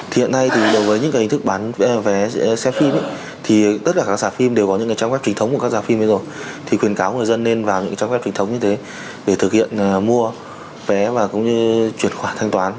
thì khuyến cáo người dân nên vào những trang web chính thống như thế để thực hiện mua vé và cũng như chuyển khoản thanh toán